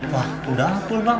wah udah full bang